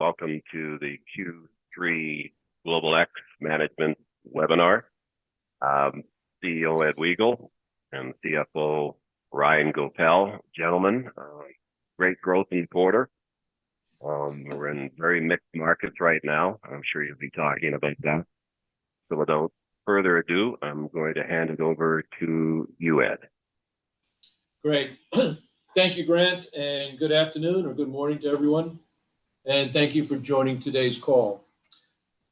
Welcome to the Q3 GlobalX Management Webinar. CEO Ed Wegel and CFO Ryan Goepel. Gentlemen, great growth in quarter. We're in very mixed markets right now. I'm sure you'll be talking about that. So without further ado, I'm going to hand it over to you, Ed. Great. Thank you, Grant, and good afternoon or good morning to everyone, and thank you for joining today's call.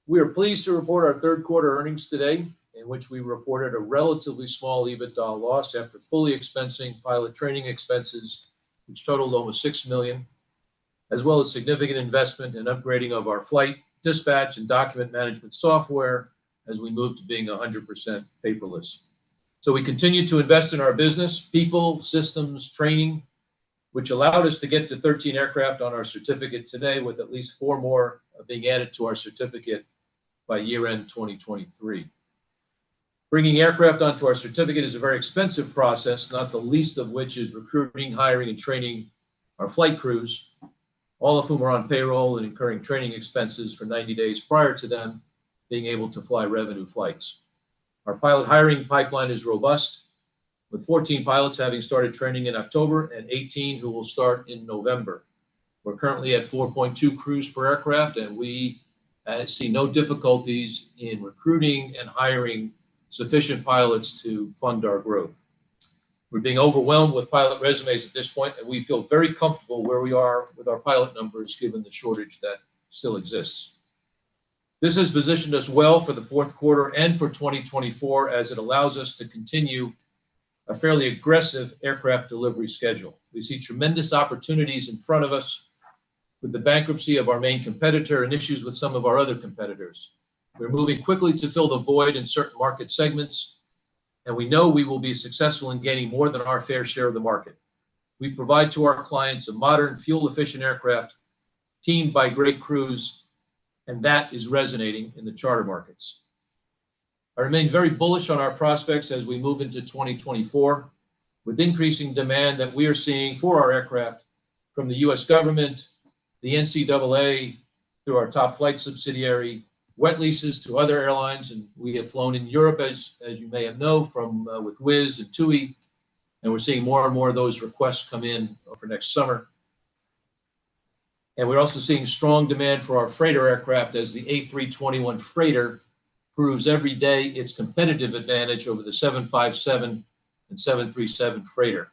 We are pleased to report our Q3 earnings today, in which we reported a relatively small EBITDA loss after fully expensing pilot training expenses, which totaled over $6 million, as well as significant investment in upgrading of our flight, dispatch, and document management software as we move to being 100% paperless. So we continue to invest in our business, people, systems, training, which allowed us to get to 13 aircraft on our certificate today, with at least 4 more being added to our certificate by year-end 2023. Bringing aircraft onto our certificate is a very expensive process, not the least of which is recruiting, hiring, and training our flight crews, all of whom are on payroll and incurring training expenses for 90 days prior to them being able to fly revenue flights. Our pilot hiring pipeline is robust, with 14 pilots having started training in October and 18 who will start in November. We're currently at 4.2 crews per aircraft, and we see no difficulties in recruiting and hiring sufficient pilots to fund our growth. We're being overwhelmed with pilot resumes at this point, and we feel very comfortable where we are with our pilot numbers, given the shortage that still exists. This has positioned us well for the Q4 and for 2024, as it allows us to continue a fairly aggressive aircraft delivery schedule. We see tremendous opportunities in front of us with the bankruptcy of our main competitor and issues with some of our other competitors. We're moving quickly to fill the void in certain market segments, and we know we will be successful in gaining more than our fair share of the market. We provide to our clients a modern, fuel-efficient aircraft teamed by great crews, and that is resonating in the charter markets. I remain very bullish on our prospects as we move into 2024, with increasing demand that we are seeing for our aircraft from the U.S. government, the NCAA, through our top-flight subsidiary, wet leases to other airlines, and we have flown in Europe, as you may have known with Wizz and TUI, and we're seeing more and more of those requests come in for next summer. We're also seeing strong demand for our freighter aircraft, as the A321 freighter proves every day its competitive advantage over the 757 and 737 freighter.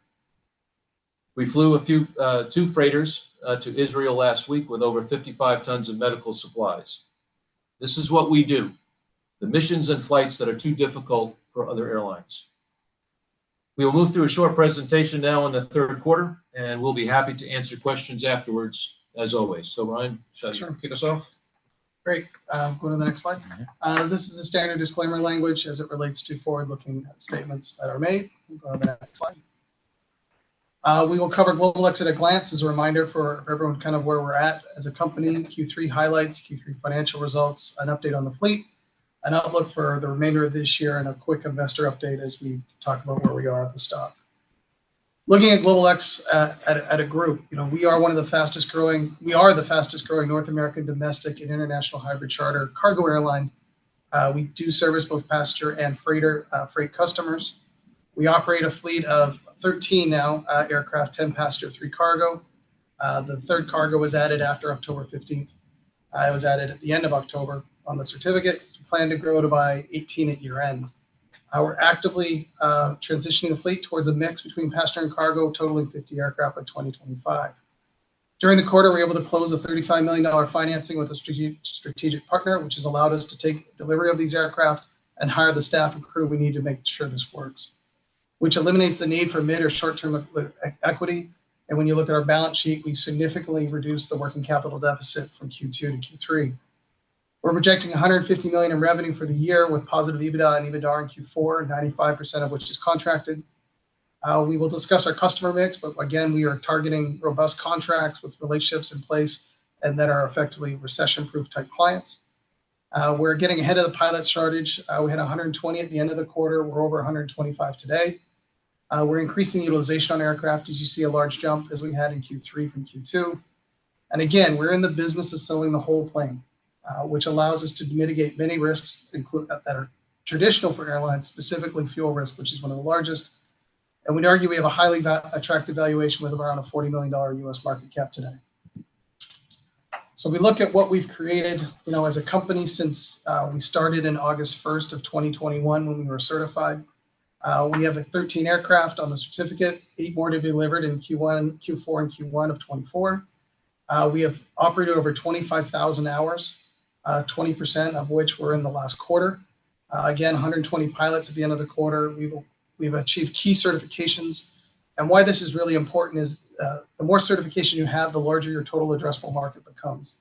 We flew a few, two freighters, to Israel last week with over 55 tons of medical supplies. This is what we do, the missions and flights that are too difficult for other airlines. We'll move through a short presentation now on the Q3, and we'll be happy to answer questions afterwards, as always. So, Ryan- Sure. kick us off? Great. Go to the next slide. Mm-hmm. This is the standard disclaimer language as it relates to forward-looking statements that are made. Go to the next slide. We will cover GlobalX at a glance, as a reminder for everyone, kind of where we're at as a company, Q3 highlights, Q3 financial results, an update on the fleet, an outlook for the remainder of this year, and a quick investor update as we talk about where we are with the stock. Looking at GlobalX as a group, you know, we are one of the fastest-growing-- We are the fastest-growing North American domestic and international hybrid charter cargo airline. We do service both passenger and freighter, freight customers. We operate a fleet of 13 now, aircraft, 10 passenger, 3 cargo. The third cargo was added after October fifteenth. It was added at the end of October on the certificate. Plan to grow to 18 by year-end. We're actively transitioning the fleet towards a mix between passenger and cargo, totaling 50 aircraft by 2025. During the quarter, we were able to close a $35 million financing with a strategic partner, which has allowed us to take delivery of these aircraft and hire the staff and crew we need to make sure this works, which eliminates the need for mid- or short-term equity. When you look at our balance sheet, we've significantly reduced the working capital deficit from Q2 to Q3. We're projecting $150 million in revenue for the year, with positive EBITDA and EBITDA in Q4, 95% of which is contracted. We will discuss our customer mix, but again, we are targeting robust contracts with relationships in place and that are effectively recession-proof-type clients. We're getting ahead of the pilot shortage. We had 120 at the end of the quarter. We're over 125 today. We're increasing utilization on aircraft. As you see, a large jump as we had in Q3 from Q2. Again, we're in the business of selling the whole plane, which allows us to mitigate many risks that are traditional for airlines, specifically fuel risk, which is one of the largest, and we'd argue we have a highly attractive valuation with around a $40 million U.S. market cap today. So we look at what we've created, you know, as a company since we started in August first of 2021, when we were certified. We have 13 aircraft on the certificate, 8 more to be delivered in Q1, Q4, and Q1 of 2024. We have operated over 25,000 hours, 20% of which were in the last quarter. Again, 120 pilots at the end of the quarter. We've achieved key certifications. Why this is really important is, the more certification you have, the larger your total addressable market becomes.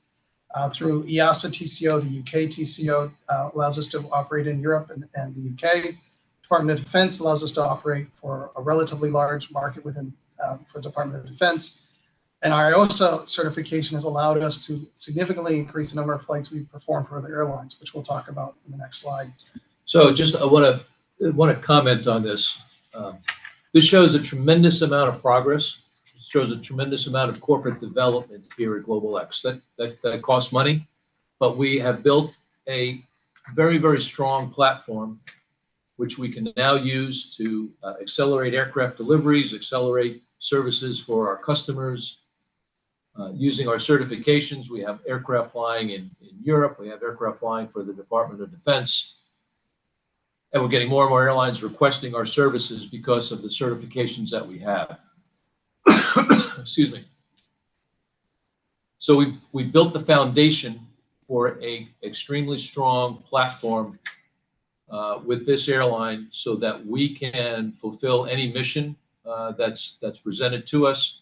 Through EASA TCO, the U.K. TCO allows us to operate in Europe and the U.K. Department of Defense allows us to operate for a relatively large market within for Department of Defense. Our IOSA certification has allowed us to significantly increase the number of flights we perform for other airlines, which we'll talk about in the next slide. So, I just wanna comment on this. This shows a tremendous amount of progress. It shows a tremendous amount of corporate development here at GlobalX. That costs money, but we have built a very, very strong platform, which we can now use to accelerate aircraft deliveries, accelerate services for our customers, using our certifications. We have aircraft flying in Europe. We have aircraft flying for the Department of Defense, and we're getting more and more airlines requesting our services because of the certifications that we have. Excuse me. So we built the foundation for an extremely strong platform with this airline so that we can fulfill any mission that's presented to us,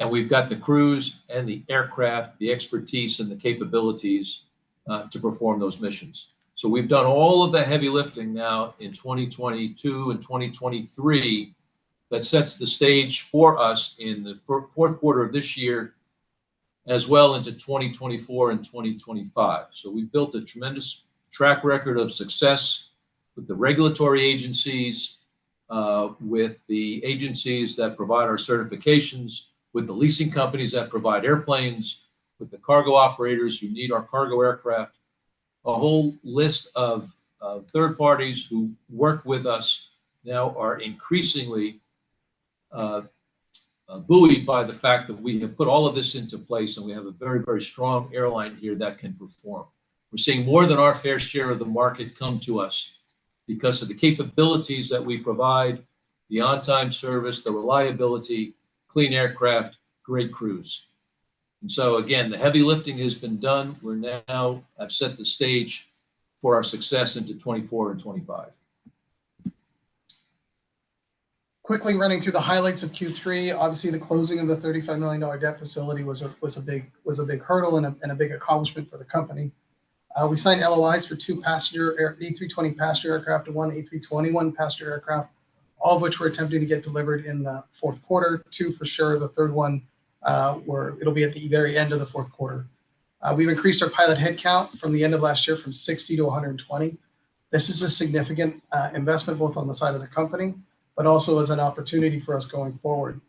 and we've got the crews and the aircraft, the expertise and the capabilities to perform those missions. So we've done all of the heavy lifting now in 2022 and 2023, that sets the stage for us in the Q4 of this year, as well into 2024 and 2025. So we've built a tremendous track record of success with the regulatory agencies, with the agencies that provide our certifications, with the leasing companies that provide airplanes, with the cargo operators who need our cargo aircraft. A whole list of third parties who work with us now are increasingly buoyed by the fact that we have put all of this into place, and we have a very, very strong airline here that can perform. We're seeing more than our fair share of the market come to us because of the capabilities that we provide, the on-time service, the reliability, clean aircraft, great crews. So, again, the heavy lifting has been done. We're now have set the stage for our success into 2024 and 2025. Quickly running through the highlights of Q3. Obviously, the closing of the $35 million debt facility was a big hurdle and a big accomplishment for the company. We signed LOIs for two A320 passenger aircraft and one A321 passenger aircraft, all of which we're attempting to get delivered in the Q4. Two for sure, the third one, it'll be at the very end of the Q4. We've increased our pilot headcount from the end of last year, from 60 to 120. This is a significant investment, both on the side of the company, but also as an opportunity for us going forward.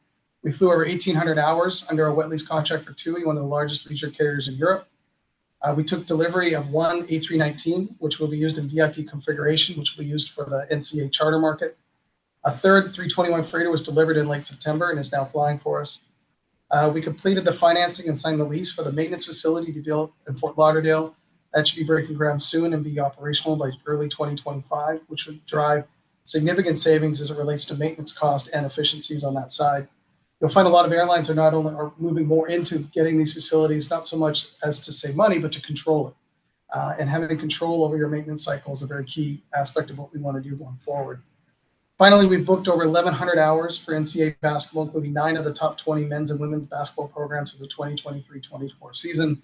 We flew over 1,800 hours under our wet lease contract for TUI, one of the largest leisure carriers in Europe. We took delivery of one A319, which will be used in VIP configuration, which will be used for the NCAA charter market. A third A321 freighter was delivered in late September and is now flying for us. We completed the financing and signed the lease for the maintenance facility to build in Fort Lauderdale. That should be breaking ground soon and be operational by early 2025, which would drive significant savings as it relates to maintenance cost and efficiencies on that side. You'll find a lot of airlines are not only moving more into getting these facilities, not so much as to save money, but to control it. And having the control over your maintenance cycle is a very key aspect of what we want to do going forward. Finally, we've booked over 1,100 hours for NCAA basketball, including 9 of the top 20 men's and women's basketball programs for the 2023-2024 season,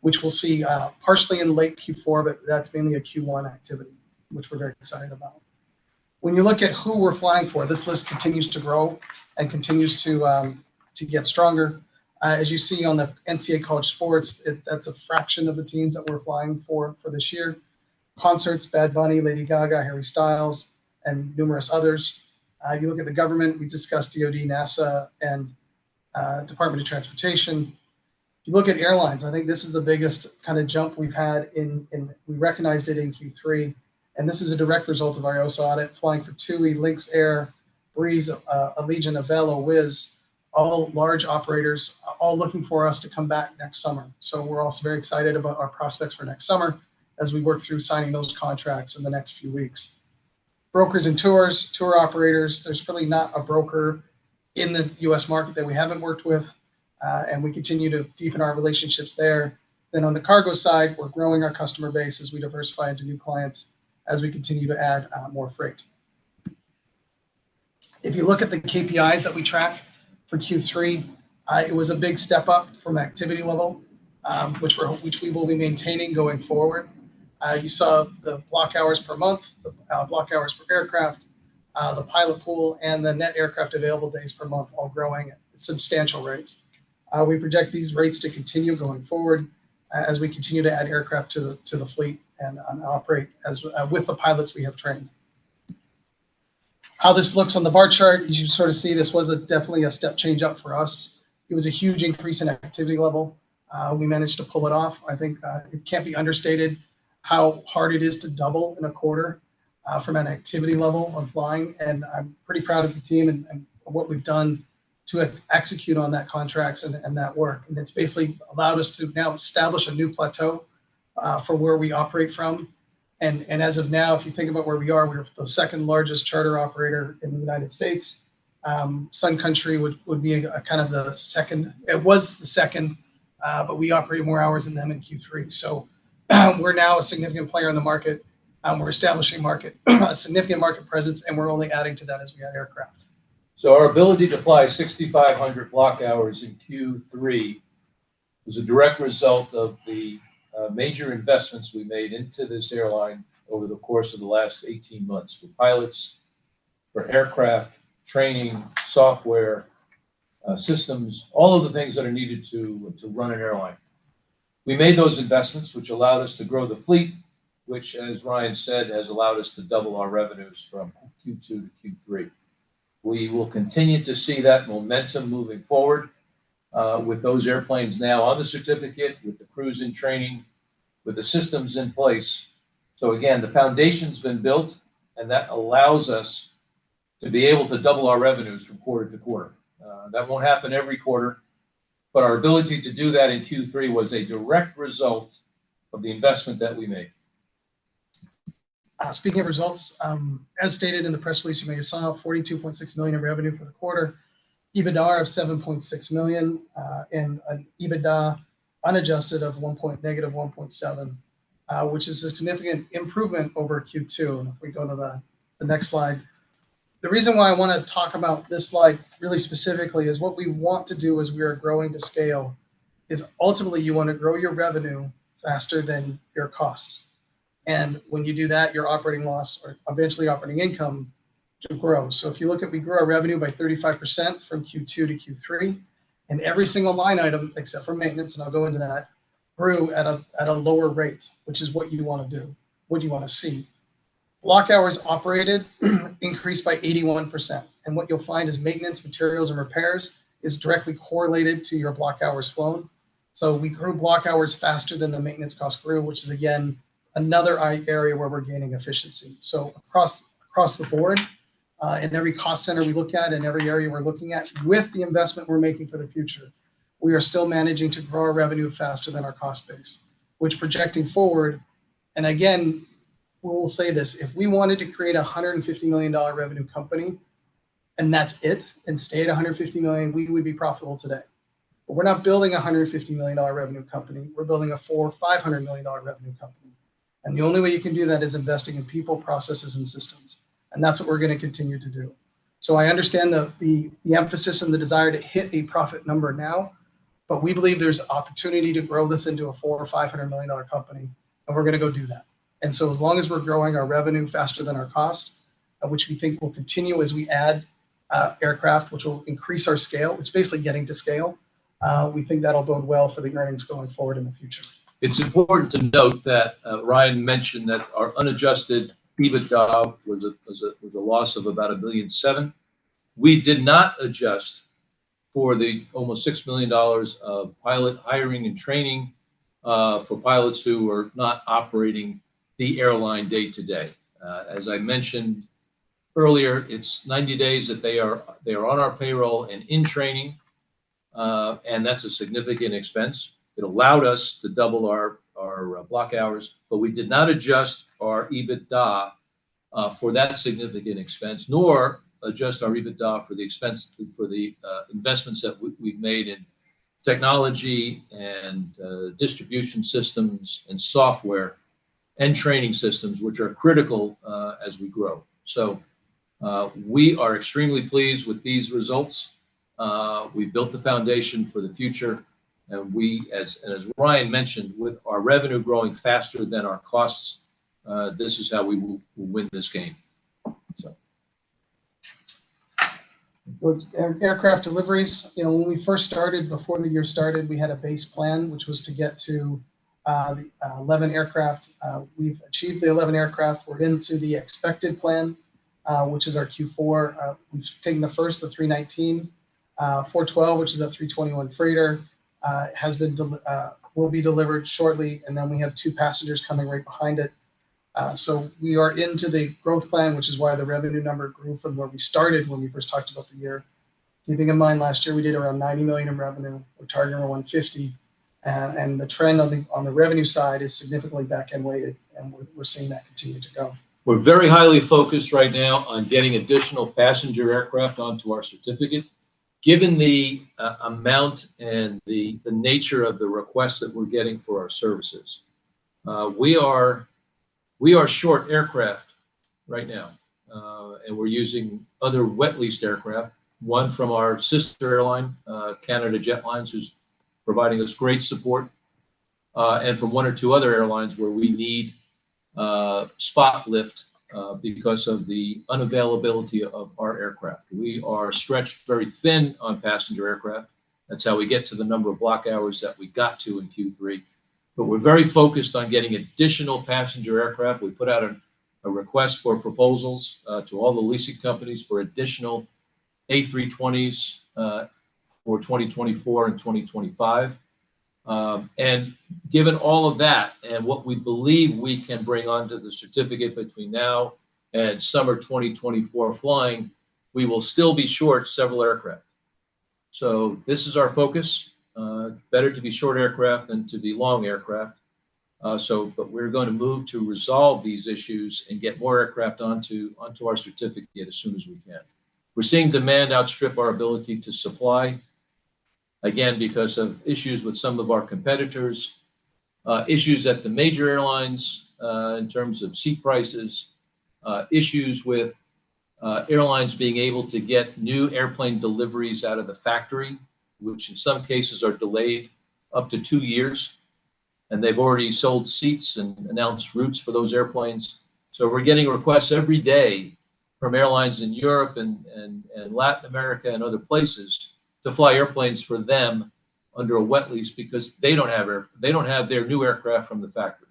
which we'll see partially in late Q4, but that's mainly a Q1 activity, which we're very excited about. When you look at who we're flying for, this list continues to grow and continues to get stronger. As you see on the NCAA college sports, that's a fraction of the teams that we're flying for for this year. Concerts, Bad Bunny, Lady Gaga, Harry Styles, and numerous others. You look at the government, we discussed DoD, NASA, and Department of Transportation. You look at airlines, I think this is the biggest kind of jump we've had in, in... We recognized it in Q3, and this is a direct result of our IOSA audit, flying for TUI, Lynx Air, Breeze, Allegiant, Avelo, Wizz, all large operators, all looking for us to come back next summer. So we're also very excited about our prospects for next summer as we work through signing those contracts in the next few weeks. Brokers and tours, tour operators, there's probably not a broker in the U.S. market that we haven't worked with, and we continue to deepen our relationships there. Then on the cargo side, we're growing our customer base as we diversify into new clients as we continue to add more freight. If you look at the KPIs that we track for Q3, it was a big step up from activity level, which we will be maintaining going forward. You saw the block hours per month, the block hours per aircraft, the pilot pool, and the net aircraft available days per month, all growing at substantial rates. We project these rates to continue going forward as we continue to add aircraft to the fleet and operate as with the pilots we have trained. How this looks on the bar chart, you sort of see this was definitely a step change up for us. It was a huge increase in activity level. We managed to pull it off. I think it can't be understated how hard it is to double in a quarter from an activity level on flying, and I'm pretty proud of the team and what we've done to execute on that contracts and that work. And it's basically allowed us to now establish a new plateau for where we operate from. And as of now, if you think about where we are, we're the second-largest charter operator in the United States. Sun Country would be kind of the second. It was the second, but we operated more hours than them in Q3. So, we're now a significant player in the market, and we're establishing a significant market presence, and we're only adding to that as we add aircraft. So our ability to fly 6,500 block hours in Q3 is a direct result of the major investments we made into this airline over the course of the last 18 months, for pilots, for aircraft, training, software, systems, all of the things that are needed to run an airline. We made those investments, which allowed us to grow the fleet, which, as Ryan said, has allowed us to double our revenues from Q2 to Q3. We will continue to see that momentum moving forward with those airplanes now on the certificate, with the crews in training, with the systems in place. So again, the foundation's been built, and that allows us to be able to double our revenues from quarter-to-quarter. That won't happen every quarter, but our ability to do that in Q3 was a direct result of the investment that we made. Speaking of results, as stated in the press release you may have saw, $42.6 million in revenue for the quarter, EBITDA of $7.6 million, and an EBITDA unadjusted of -$1.7 million, which is a significant improvement over Q2. And if we go to the next slide. The reason why I wanna talk about this slide really specifically is what we want to do as we are growing to scale, is ultimately you wanna grow your revenue faster than your costs. And when you do that, your operating loss, or eventually operating income, to grow. So if you look at, we grew our revenue by 35% from Q2 to Q3, and every single line item, except for maintenance, and I'll go into that, grew at a lower rate, which is what you wanna do, what you wanna see. Block hours operated increased by 81%, and what you'll find is maintenance, materials, and repairs is directly correlated to your block hours flown. So we grew block hours faster than the maintenance costs grew, which is, again, another area where we're gaining efficiency. So across the board, in every cost center we look at and every area we're looking at, with the investment we're making for the future, we are still managing to grow our revenue faster than our cost base. Which projecting forward, and again, we will say this, if we wanted to create a $150 million revenue company, and that's it, and stay at $150 million, we would be profitable today. But we're not building a $150 million revenue company, we're building a $400-$500 million revenue company, and the only way you can do that is investing in people, processes, and systems, and that's what we're gonna continue to do. So I understand the emphasis and the desire to hit a profit number now, but we believe there's opportunity to grow this into a $400-$500 million company, and we're gonna go do that. And so as long as we're growing our revenue faster than our cost, which we think will continue as we add aircraft, which will increase our scale, it's basically getting to scale, we think that'll bode well for the earnings going forward in the future. It's important to note that Ryan mentioned that our unadjusted EBITDA was a loss of about $1.7 million. We did not adjust for the almost $6 million of pilot hiring and training for pilots who are not operating the airline day to day. As I mentioned earlier, it's 90 days that they are on our payroll and in training, and that's a significant expense. It allowed us to double our block hours, but we did not adjust our EBITDA for that significant expense, nor adjust our EBITDA for the expense for the investments that we've made in technology, and distribution systems, and software, and training systems, which are critical as we grow. We are extremely pleased with these results. We've built the foundation for the future, and we, as, and as Ryan mentioned, with our revenue growing faster than our costs, this is how we win this game. So... With aircraft deliveries, you know, when we first started, before the year started, we had a base plan, which was to get to the 11 aircraft. We've achieved the 11 aircraft. We're into the expected plan, which is our Q4. We've taken the first, the A319. The A321, which is an A321 freighter, will be delivered shortly, and then we have two passengers coming right behind it. So we are into the growth plan, which is why the revenue number grew from where we started when we first talked about the year. Keeping in mind, last year we did around $90 million in revenue. We're targeting around $150 million, and the trend on the revenue side is significantly back-end loaded, and we're seeing that continue to go. We're very highly focused right now on getting additional passenger aircraft onto our certificate. Given the amount and the nature of the requests that we're getting for our services, we are short aircraft right now, and we're using other wet leased aircraft, one from our sister airline, Canada Jetlines, who's providing us great support, and from one or two other airlines where we need spot lift because of the unavailability of our aircraft. We are stretched very thin on passenger aircraft. That's how we get to the number of block hours that we got to in Q3, but we're very focused on getting additional passenger aircraft. We put out a request for proposals to all the leasing companies for additional A320s for 2024 and 2025. Given all of that, and what we believe we can bring onto the certificate between now and summer 2024 flying, we will still be short several aircraft. This is our focus. Better to be short aircraft than to be long aircraft. But we're going to move to resolve these issues and get more aircraft onto our certificate as soon as we can. We're seeing demand outstrip our ability to supply, again, because of issues with some of our competitors, issues at the major airlines, in terms of seat prices, issues with, airlines being able to get new airplane deliveries out of the factory, which in some cases are delayed up to 2 years, and they've already sold seats and announced routes for those airplanes. We're getting requests every day... from airlines in Europe and Latin America and other places to fly airplanes for them under a wet lease because they don't have their new aircraft from the factory.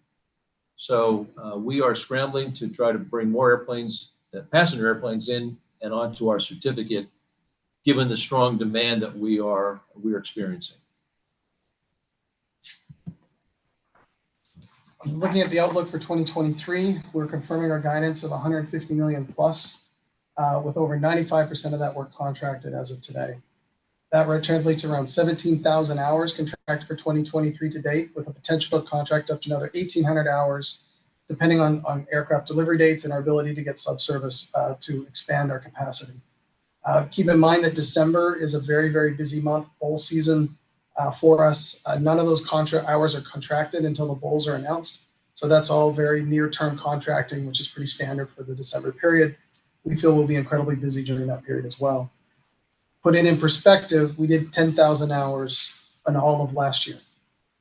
So, we are scrambling to try to bring more airplanes, passenger airplanes in and onto our certificate, given the strong demand that we are experiencing. Looking at the outlook for 2023, we're confirming our guidance of $150 million+, with over 95% of that work contracted as of today. That work translates to around 17,000 hours contracted for 2023 to date, with a potential to contract up to another 1,800 hours, depending on aircraft delivery dates and our ability to get sub service to expand our capacity. Keep in mind that December is a very, very busy month, bowl season, for us. None of those contracted hours are contracted until the bowls are announced, so that's all very near-term contracting, which is pretty standard for the December period. We feel we'll be incredibly busy during that period as well. To put it in perspective, we did 10,000 hours in all of last year.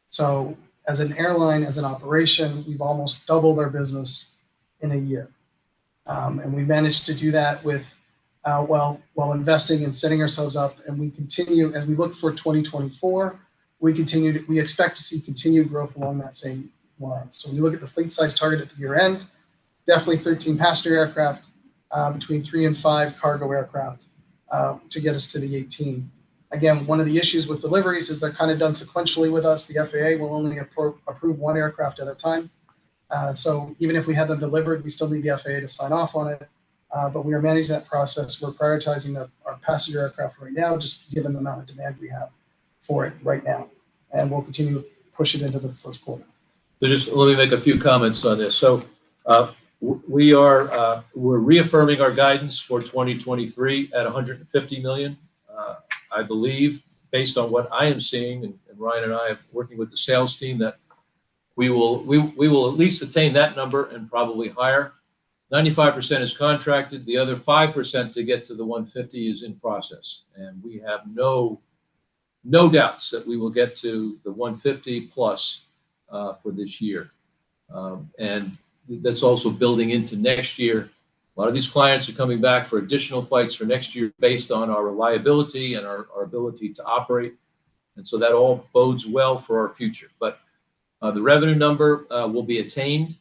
So as an airline, as an operation, we've almost doubled our business in a year. And we managed to do that with while investing and setting ourselves up, and as we look for 2024, we expect to see continued growth along that same line. So when you look at the fleet size target at the year-end, definitely 13 passenger aircraft, between 3 and 5 cargo aircraft, to get us to the 18. Again, one of the issues with deliveries is they're kind of done sequentially with us. The FAA will only approve 1 aircraft at a time. So even if we had them delivered, we still need the FAA to sign off on it, but we are managing that process. We're prioritizing our passenger aircraft right now, just given the amount of demand we have for it right now, and we'll continue to push it into the Q1. Just let me make a few comments on this. So, we are, we're reaffirming our guidance for 2023 at $150 million. I believe, based on what I am seeing, and Ryan and I have working with the sales team, that we will at least attain that number and probably higher. 95% is contracted; the other 5% to get to the 150 is in process, and we have no doubts that we will get to the 150+, for this year. And that's also building into next year. A lot of these clients are coming back for additional flights for next year based on our reliability and our ability to operate, and so that all bodes well for our future. The revenue number will be attained,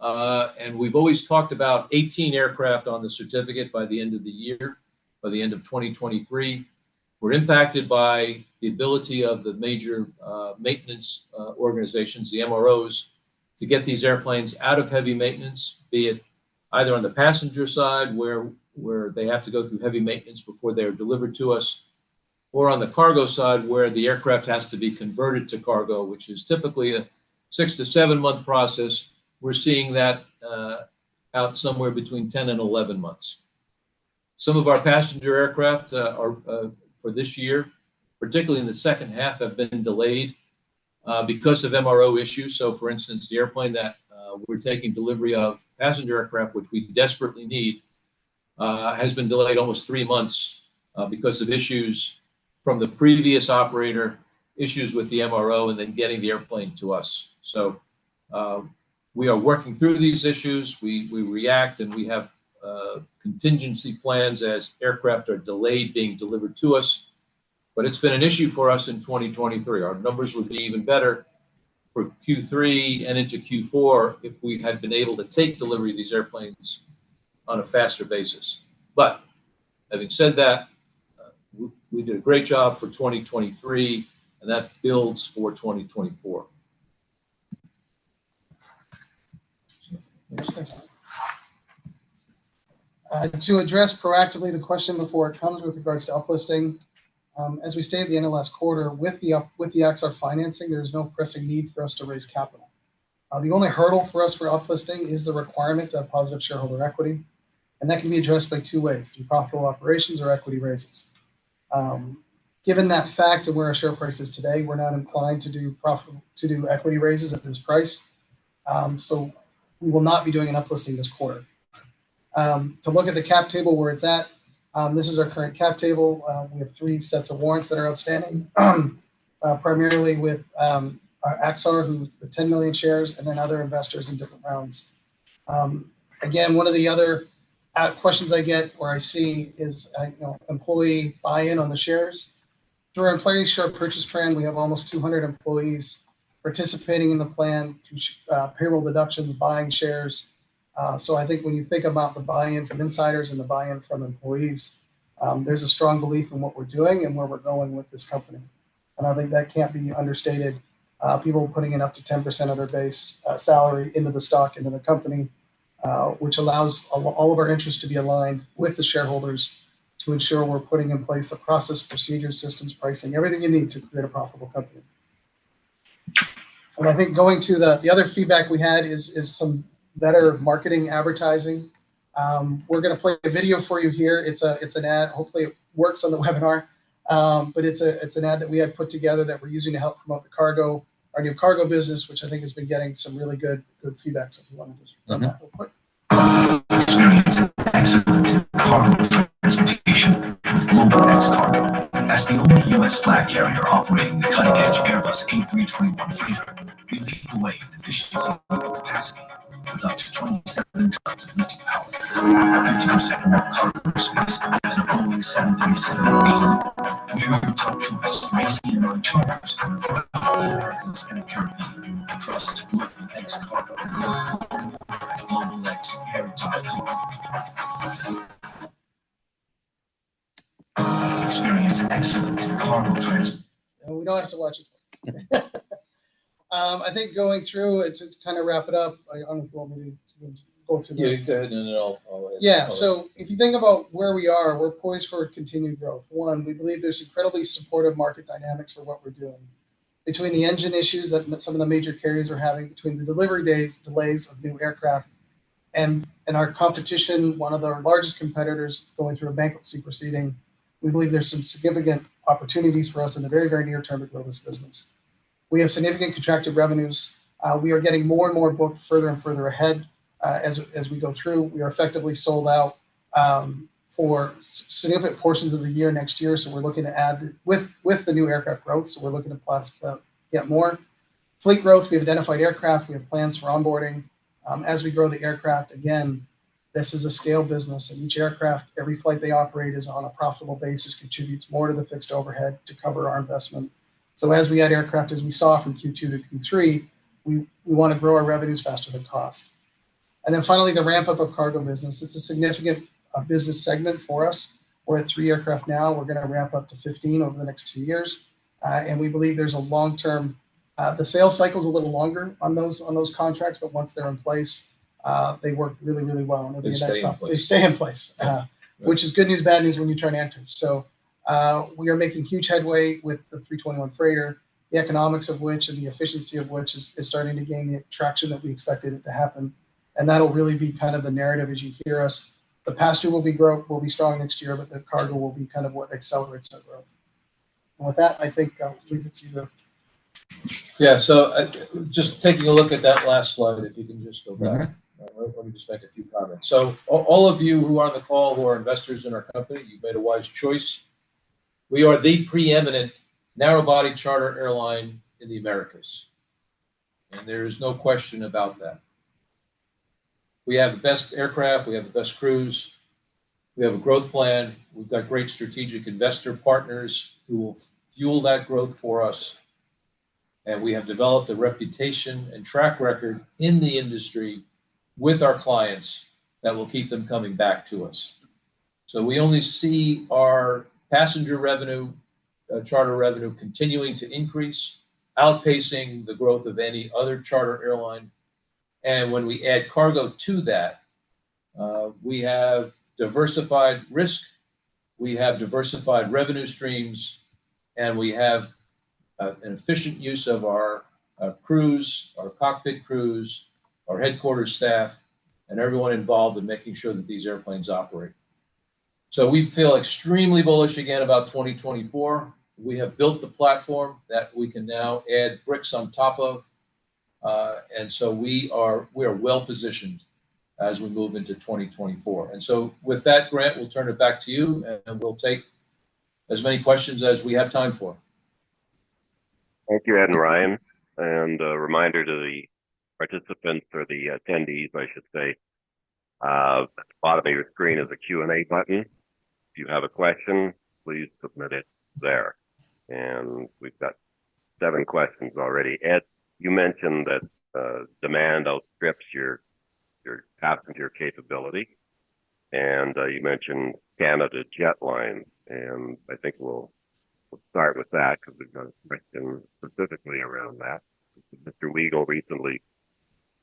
and we've always talked about 18 aircraft on the certificate by the end of the year, by the end of 2023. We're impacted by the ability of the major maintenance organizations, the MROs, to get these airplanes out of heavy maintenance, be it either on the passenger side, where they have to go through heavy maintenance before they are delivered to us, or on the cargo side, where the aircraft has to be converted to cargo, which is typically a 6- to 7-month process. We're seeing that out somewhere between 10 and 11 months. Some of our passenger aircraft are for this year, particularly in the H2, have been delayed because of MRO issues. So, for instance, the airplane that we're taking delivery of, passenger aircraft, which we desperately need, has been delayed almost three months, because of issues from the previous operator, issues with the MRO, and then getting the airplane to us. So, we are working through these issues. We react, and we have contingency plans as aircraft are delayed being delivered to us. But it's been an issue for us in 2023. Our numbers would be even better for Q3 and into Q4 if we had been able to take delivery of these airplanes on a faster basis. But having said that, we did a great job for 2023, and that builds for 2024. To address proactively the question before it comes with regards to uplisting, as we stated at the end of last quarter, with the Axar financing, there is no pressing need for us to raise capital. The only hurdle for us for uplisting is the requirement to have positive shareholder equity, and that can be addressed in two ways, through profitable operations or equity raises. Given that fact of where our share price is today, we're not inclined to do equity raises at this price, so we will not be doing an uplisting this quarter. To look at the cap table where it's at, this is our current cap table. We have three sets of warrants that are outstanding, primarily with our Axar, who the 10 million shares, and then other investors in different rounds. Again, one of the other questions I get or I see is, you know, employee buy-in on the shares. Through our employee share purchase plan, we have almost 200 employees participating in the plan through payroll deductions, buying shares. So I think when you think about the buy-in from insiders and the buy-in from employees, there's a strong belief in what we're doing and where we're going with this company, and I think that can't be understated. People putting in up to 10% of their base salary into the stock, into the company, which allows all of our interests to be aligned with the shareholders to ensure we're putting in place the process, procedures, systems, pricing, everything you need to create a profitable company. I think going to the other feedback we had is some better marketing advertising. We're gonna play a video for you here. It's an ad. Hopefully, it works on the webinar, but it's an ad that we had put together that we're using to help promote the cargo, our new cargo business, which I think has been getting some really good feedback, so if you want to just run that real quick. Experience excellent cargo transportation with GlobalX Cargo. As the only U.S. flag carrier operating the cutting-edge Airbus A321 freighter-... We lead the way in efficiency and capacity with up to 27 tons of lifting power, 50% more cargo space, and a rolling 77 decibels. We are the top choice in ACMI and ad hoc charters in the Americas and the Caribbean. Trust GlobalX Cargo. GlobalX Air Cargo. Experience excellence in cargo trans- We don't have to watch it twice. I think going through it, to, to kind of wrap it up, I well, maybe go through the- Yeah, go ahead, and then I'll- Yeah. So if you think about where we are, we're poised for continued growth. One, we believe there's incredibly supportive market dynamics for what we're doing. Between the engine issues that some of the major carriers are having, between the delivery days, delays of new aircraft, and, and our competition, one of our largest competitors going through a bankruptcy proceeding, we believe there's some significant opportunities for us in the very, very near term to grow this business. We have significant contracted revenues. We are getting more and more booked further and further ahead, as, as we go through. We are effectively sold out, for significant portions of the year next year, so we're looking to add... With, with the new aircraft growth, so we're looking to plus, get more. Fleet growth, we've identified aircraft, we have plans for onboarding. As we grow the aircraft, again, this is a scale business, and each aircraft, every flight they operate is on a profitable basis, contributes more to the fixed overhead to cover our investment. So as we add aircraft, as we saw from Q2 to Q3, we want to grow our revenues faster than cost. And then finally, the ramp up of cargo business. It's a significant business segment for us. We're at 3 aircraft now. We're going to ramp up to 15 over the next 2 years. And we believe there's a long-term, the sales cycle's a little longer on those, on those contracts, but once they're in place, they work really, really well, and they stay- They stay in place. They stay in place, which is good news, bad news when you try and enter. So, we are making huge headway with the 321 freighter, the economics of which and the efficiency of which is starting to gain the traction that we expected it to happen, and that'll really be kind of the narrative as you hear us. The passenger will be strong next year, but the cargo will be kind of what accelerates our growth. And with that, I think I'll leave it to you. Yeah. So just taking a look at that last slide, if you can just go back. Mm-hmm. Let me just make a few comments. So all, all of you who are on the call, who are investors in our company, you've made a wise choice. We are the preeminent narrow-body charter airline in the Americas, and there is no question about that. We have the best aircraft, we have the best crews, we have a growth plan. We've got great strategic investor partners who will fuel that growth for us, and we have developed a reputation and track record in the industry with our clients that will keep them coming back to us. So we only see our passenger revenue, charter revenue continuing to increase, outpacing the growth of any other charter airline. When we add cargo to that, we have diversified risk, we have diversified revenue streams, and we have a, an efficient use of our, crews, our cockpit crews, our headquarters staff, and everyone involved in making sure that these airplanes operate. So we feel extremely bullish again about 2024. We have built the platform that we can now add bricks on top of, and so we are, we are well positioned as we move into 2024. And so with that, Grant, we'll turn it back to you, and, and we'll take as many questions as we have time for. Thank you, Ed and Ryan. A reminder to the participants, or the attendees, I should say, at the bottom of your screen is a Q&A button. If you have a question, please submit it there. And we've got seven questions already. Ed, you mentioned that demand outstrips your passenger capability, and you mentioned Canada Jetlines, and I think we'll start with that because we've got a question specifically around that. Mr. Wegel recently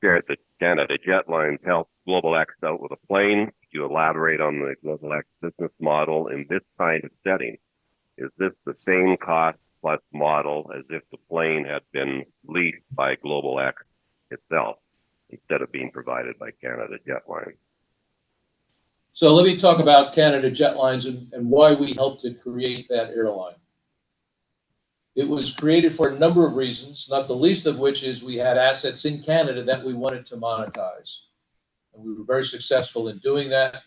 shared that Canada Jetlines helped GlobalX out with a plane. Could you elaborate on the GlobalX business model in this kind of setting? Is this the same cost-plus model as if the plane had been leased by GlobalX itself instead of being provided by Canada Jetlines? So let me talk about Canada Jetlines and why we helped to create that airline. It was created for a number of reasons, not the least of which is we had assets in Canada that we wanted to monetize, and we were very successful in doing that.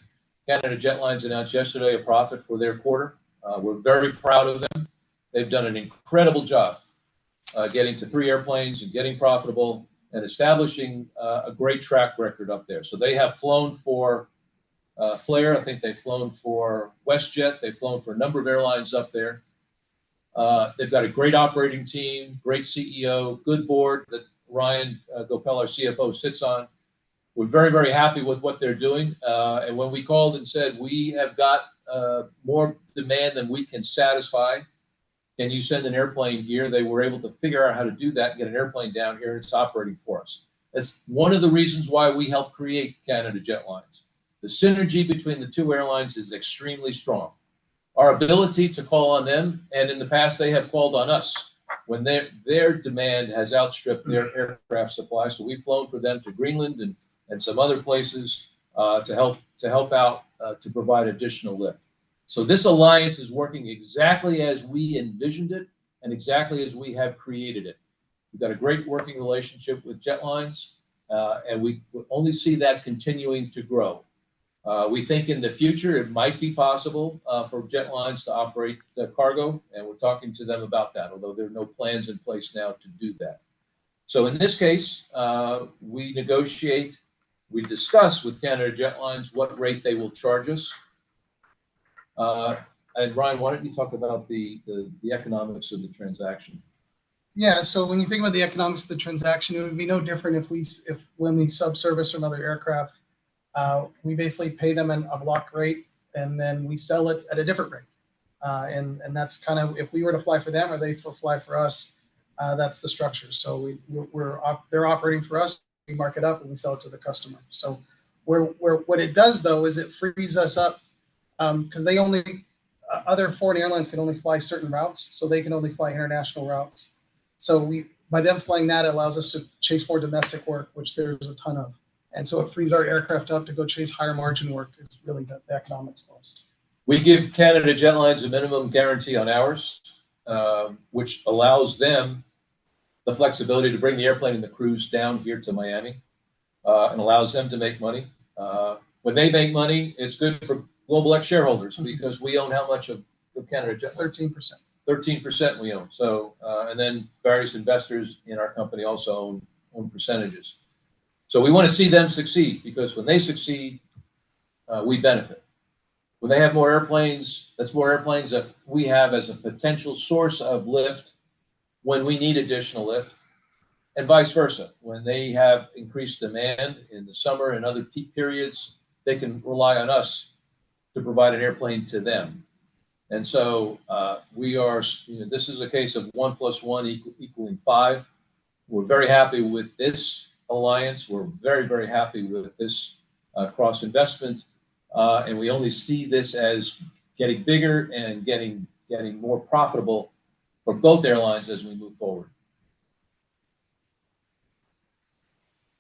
Canada Jetlines announced yesterday a profit for their quarter. We're very proud of them. They've done an incredible job, getting to three airplanes and getting profitable and establishing a great track record up there. So they have flown for Flair. I think they've flown for WestJet. They've flown for a number of airlines up there. They've got a great operating team, great CEO, good board that Ryan Goepel, our CFO, sits on. We're very, very happy with what they're doing, and when we called and said, "We have got more demand than we can satisfy, can you send an airplane here?" They were able to figure out how to do that and get an airplane down here, and it's operating for us. That's one of the reasons why we helped create Canada Jetlines. The synergy between the two airlines is extremely strong. Our ability to call on them, and in the past, they have called on us when their demand has outstripped their aircraft supply. So we've flown for them to Greenland and some other places to help, to help out, to provide additional lift. So this alliance is working exactly as we envisioned it and exactly as we have created it. We've got a great working relationship with Jetlines, and we only see that continuing to grow. We think in the future it might be possible for Jetlines to operate the cargo, and we're talking to them about that, although there are no plans in place now to do that. So in this case, we negotiate, we discuss with Canada Jetlines what rate they will charge us. And Ryan, why don't you talk about the economics of the transaction? Yeah, so when you think about the economics of the transaction, it would be no different if we, if when we sub-service another aircraft, we basically pay them a block rate, and then we sell it at a different rate. And that's kind of if we were to fly for them, or they fly for us, that's the structure. So we're, they're operating for us, we mark it up, and we sell it to the customer. So where—what it does, though, is it frees us up, because other foreign airlines can only fly certain routes, so they can only fly international routes. So, by them flying that allows us to chase more domestic work, which there is a ton of. And so it frees our aircraft up to go chase higher margin work. It's really the economics for us. We give Canada Jetlines a minimum guarantee on hours, which allows them the flexibility to bring the airplane and the crews down here to Miami, and allows them to make money. When they make money, it's good for GlobalX shareholders because we own how much of Canada Jetlines? 13%. 13% we own. So, and then various investors in our company also own percentages. So we want to see them succeed because when they succeed, we benefit. When they have more airplanes, that's more airplanes that we have as a potential source of lift when we need additional lift, and vice versa. When they have increased demand in the summer and other peak periods, they can rely on us to provide an airplane to them. And so, we are—you know, this is a case of one plus one equaling five. We're very happy with this alliance. We're very, very happy with this, cross-investment. And we only see this as getting bigger and getting more profitable for both airlines as we move forward.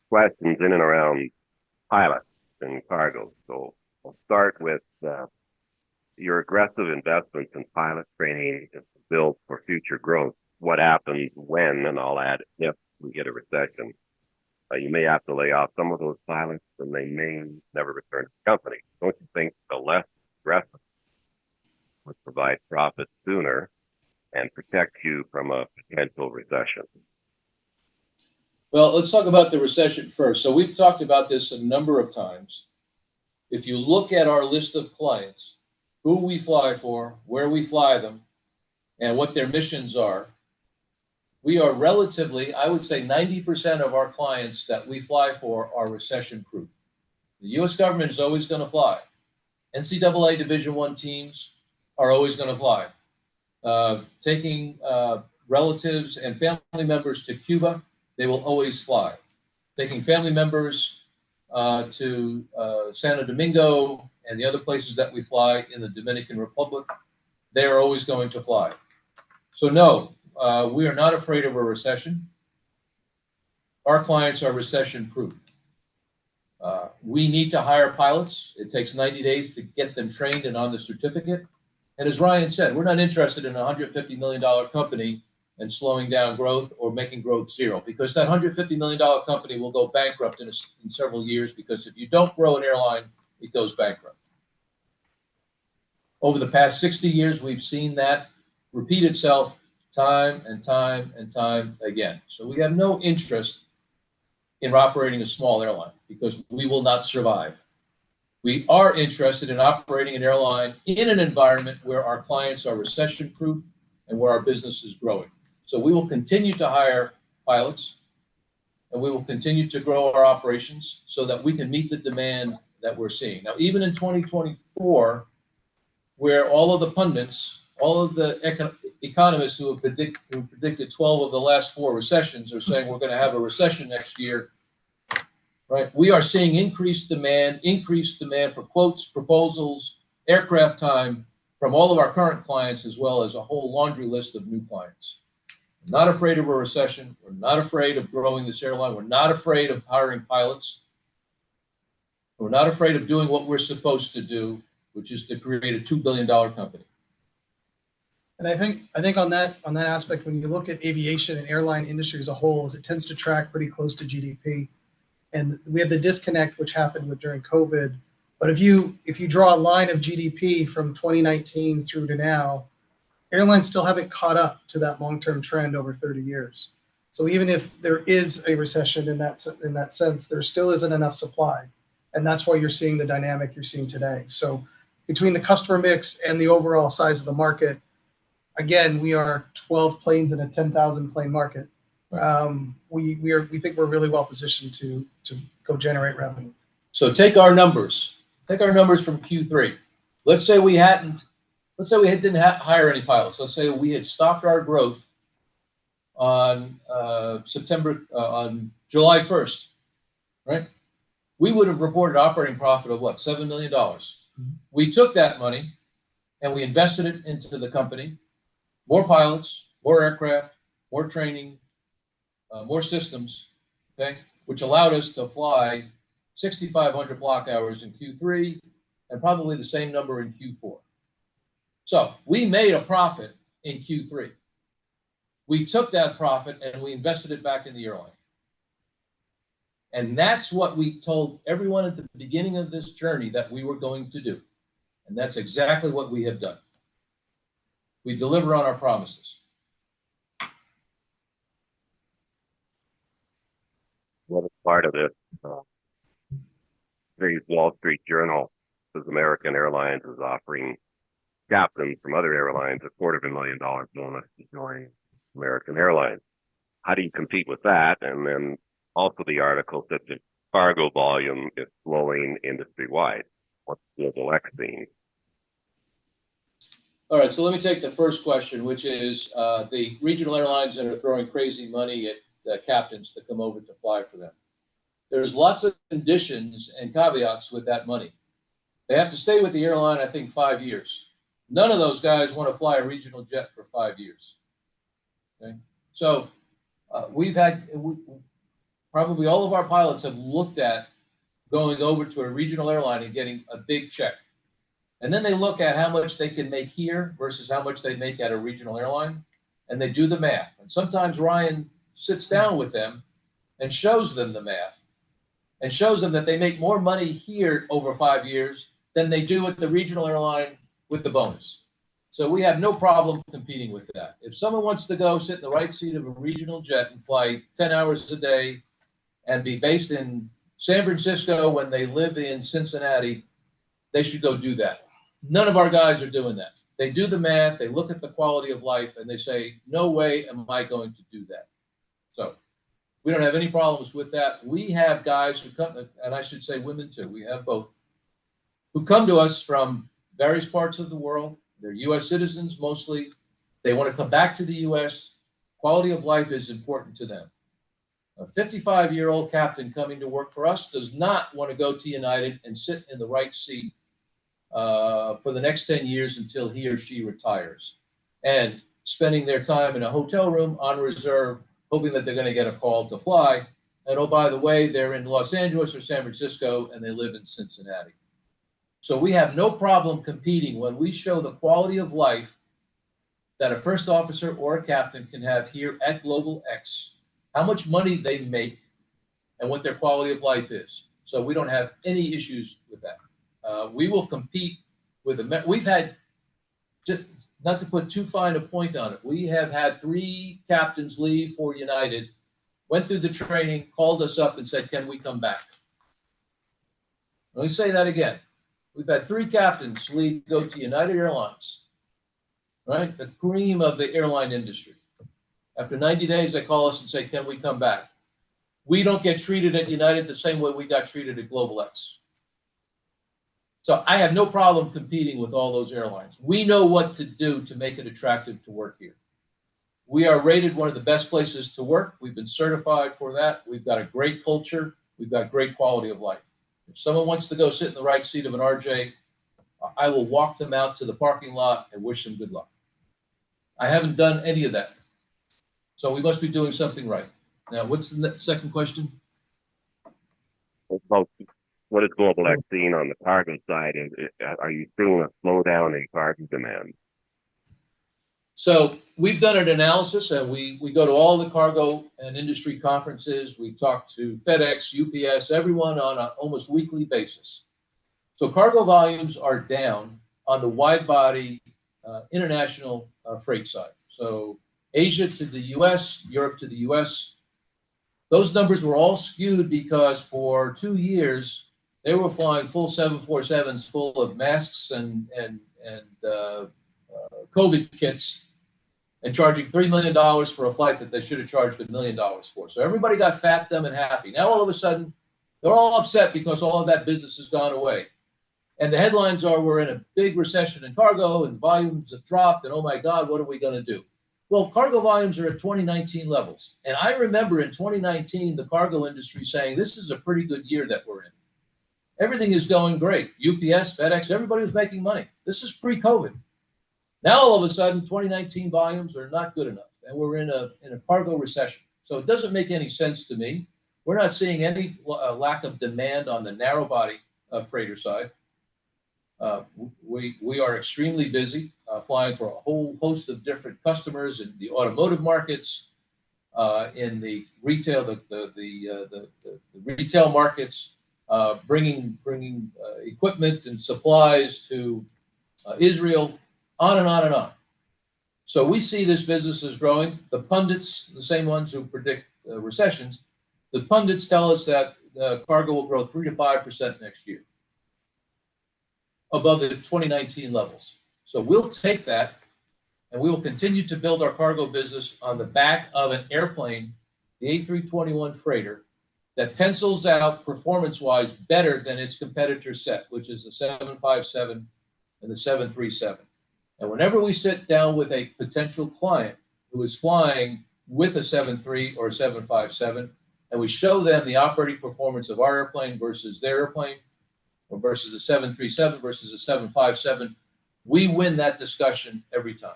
Questions in and around pilots and cargo. So I'll start with your aggressive investments in pilot training is built for future growth. What happens when, and I'll add, if we get a recession? You may have to lay off some of those pilots, and they may never return to the company. Don't you think the less aggressive would provide profit sooner and protect you from a potential recession? Well, let's talk about the recession first. So we've talked about this a number of times. If you look at our list of clients, who we fly for, where we fly them, and what their missions are, we are relatively, I would say 90% of our clients that we fly for are recession-proof. The U.S. government is always going to fly. NCAA Division I teams are always going to fly. Taking relatives and family members to Cuba, they will always fly. Taking family members to Santo Domingo and the other places that we fly in the Dominican Republic, they are always going to fly. So no, we are not afraid of a recession. Our clients are recession-proof. We need to hire pilots. It takes 90 days to get them trained and on the certificate. And as Ryan said, we're not interested in a $150 million company and slowing down growth or making growth zero, because that $150 million company will go bankrupt in several years because if you don't grow an airline, it goes bankrupt. Over the past 60 years, we've seen that repeat itself time and time and time again. So we have no interest in operating a small airline because we will not survive. We are interested in operating an airline in an environment where our clients are recession-proof and where our business is growing. So we will continue to hire pilots, and we will continue to grow our operations so that we can meet the demand that we're seeing. Now, even in 2024, where all of the pundits, all of the economists who have who predicted 12 of the last four recessions are saying we're going to have a recession next year, right? We are seeing increased demand, increased demand for quotes, proposals, aircraft time from all of our current clients, as well as a whole laundry list of new clients. We're not afraid of a recession, we're not afraid of growing this airline, we're not afraid of hiring pilots. We're not afraid of doing what we're supposed to do, which is to create a $2 billion company. I think on that aspect, when you look at aviation and airline industry as a whole, it tends to track pretty close to GDP, and we have the disconnect which happened during COVID. But if you draw a line of GDP from 2019 through to now, airlines still haven't caught up to that long-term trend over 30 years. So even if there is a recession in that sense, there still isn't enough supply, and that's why you're seeing the dynamic you're seeing today. So between the customer mix and the overall size of the market, again, we are 12 planes in a 10,000-plane market. We think we're really well positioned to go generate revenue. So, take our numbers, take our numbers from Q3. Let's say we hadn't hired any pilots. Let's say we had stopped our growth on July first, right? We would have reported operating profit of what? $7 million. Mm-hmm. We took that money, and we invested it into the company. More pilots, more aircraft, more training, more systems, okay? Which allowed us to fly 6,500 block hours in Q3 and probably the same number in Q4. So we made a profit in Q3. We took that profit, and we invested it back in the airline. And that's what we told everyone at the beginning of this journey that we were going to do, and that's exactly what we have done. We deliver on our promises. Well, part of this, today's Wall Street Journal says American Airlines is offering captains from other airlines a $250,000 bonus to join American Airlines. How do you compete with that? And then also, the article said that cargo volume is slowing industry-wide for GlobalX them. All right, so let me take the first question, which is, the regional airlines that are throwing crazy money at, captains to come over to fly for them. There's lots of conditions and caveats with that money. They have to stay with the airline, I think, five years. None of those guys wanna fly a regional jet for five years. Okay? So, we've had, probably all of our pilots have looked at going over to a regional airline and getting a big check, and then they look at how much they can make here versus how much they'd make at a regional airline, and they do the math. And sometimes Ryan sits down with them and shows them the math and shows them that they make more money here over five years than they do at the regional airline with the bonus. So we have no problem competing with that. If someone wants to go sit in the right seat of a regional jet and fly 10 hours today and be based in San Francisco when they live in Cincinnati, they should go do that. None of our guys are doing that. They do the math, they look at the quality of life, and they say, "No way am I going to do that." So we don't have any problems with that. We have guys who come, and, and I should say women, too, we have both, who come to us from various parts of the world. They're U.S. citizens, mostly. They want to come back to the U.S. Quality of life is important to them. A 55-year-old captain coming to work for us does not want to go to United and sit in the right seat for the next 10 years until he or she retires, and spending their time in a hotel room on reserve, hoping that they're gonna get a call to fly. And oh, by the way, they're in Los Angeles or San Francisco, and they live in Cincinnati. So we have no problem competing when we show the quality of life that a first officer or a captain can have here at GlobalX, how much money they make, and what their quality of life is, so we don't have any issues with that. We will compete with them. We've had. Just not to put too fine a point on it, we have had three captains leave for United, went through the training, called us up, and said, "Can we come back?" Let me say that again. We've had three captains leave, go to United Airlines, right? The cream of the airline industry. After 90 days, they call us and say, "Can we come back? We don't get treated at United the same way we got treated at GlobalX." So I have no problem competing with all those airlines. We know what to do to make it attractive to work here. We are rated one of the best places to work. We've been certified for that. We've got a great culture. We've got great quality of life. If someone wants to go sit in the right seat of an RJ, I will walk them out to the parking lot and wish them good luck. I haven't done any of that, so we must be doing something right. Now, what's the second question? It's about what is GlobalX doing on the cargo side, and are you seeing a slowdown in cargo demand? So we've done an analysis, and we go to all the cargo and industry conferences. We talk to FedEx, UPS, everyone on an almost weekly basis. So cargo volumes are down on the wide-body international freight side, so Asia to the US, Europe to the US. Those numbers were all skewed because for two years they were flying full 747s full of masks and COVID kits and charging $3 million for a flight that they should have charged $1 million for. So everybody got fat, dumb, and happy. Now, all of a sudden, they're all upset because all of that business has gone away, and the headlines are, "We're in a big recession in cargo, and volumes have dropped, and oh, my God, what are we gonna do?" Well, cargo volumes are at 2019 levels, and I remember in 2019, the cargo industry saying, "This is a pretty good year that we're in. Everything is going great." UPS, FedEx, everybody was making money. This is pre-COVID. Now, all of a sudden, 2019 volumes are not good enough, and we're in a cargo recession. So it doesn't make any sense to me. We're not seeing any lack of demand on the narrow-body freighter side. We are extremely busy flying for a whole host of different customers in the automotive markets, in the retail markets, bringing equipment and supplies to Israel, on and on and on. So we see this business as growing. The pundits, the same ones who predict recessions, the pundits tell us that cargo will grow 3% to 5% next year above the 2019 levels. So we'll take that, and we will continue to build our cargo business on the back of an airplane, the A321 freighter, that pencils out performance-wise better than its competitor set, which is the 757 and the 737. Whenever we sit down with a potential client who is flying with a 737 or a 757, and we show them the operating performance of our airplane versus their airplane, or versus a 737 versus a 757, we win that discussion every time.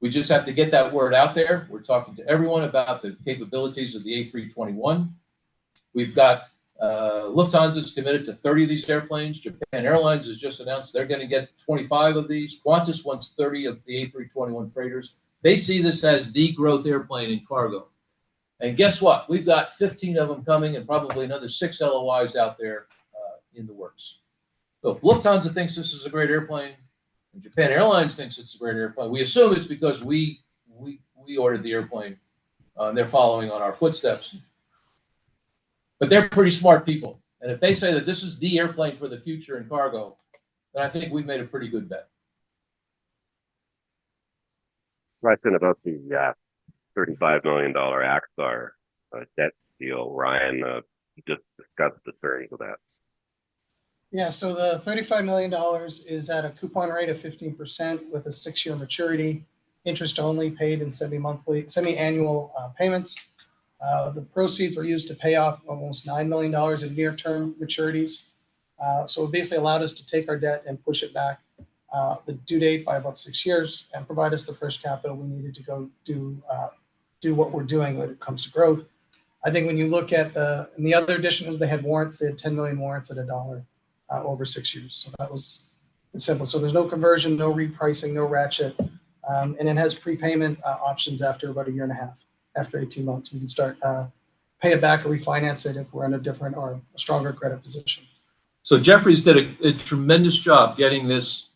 We just have to get that word out there. We're talking to everyone about the capabilities of the A321... We've got Lufthansa's committed to 30 of these airplanes. Japan Airlines has just announced they're gonna get 25 of these. Qantas wants 30 of the A321 freighters. They see this as the growth airplane in cargo. And guess what? We've got 15 of them coming and probably another 6 LOIs out there in the works. If Lufthansa thinks this is a great airplane, and Japan Airlines thinks it's a great airplane, we assume it's because we ordered the airplane, and they're following on our footsteps. But they're pretty smart people, and if they say that this is the airplane for the future in cargo, then I think we've made a pretty good bet. Right, then about the $35 million Axar debt deal, Ryan, just discuss the terms of that. Yeah, so the $35 million is at a coupon rate of 15% with a six-year maturity, interest only paid in semi-annual payments. The proceeds were used to pay off almost $9 million in near-term maturities. So it basically allowed us to take our debt and push it back, the due date by about six years and provide us the fresh capital we needed to go do what we're doing when it comes to growth. I think when you look at the other addition was they had warrants. They had 10 million warrants at $1 over six years, so that was. It's simple. So there's no conversion, no repricing, no ratchet, and it has prepayment options after about a year and a half. After 18 months, we can start to pay it back or refinance it if we're in a different or a stronger credit position. So Jefferies did a tremendous job getting this,